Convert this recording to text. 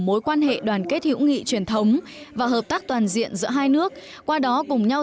mối quan hệ đoàn kết hữu nghị truyền thống và hợp tác toàn diện giữa hai nước qua đó cùng nhau